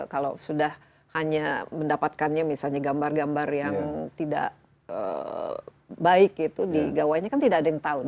kalau sudah hanya mendapatkannya misalnya gambar gambar yang tidak baik itu di gawainya kan tidak ada yang tahu